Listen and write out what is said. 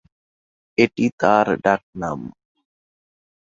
এটি তার ডাক নাম।